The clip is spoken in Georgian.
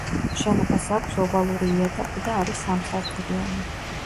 შენობას აქვს ოვალური იატაკი და არის სამ სართულიანი.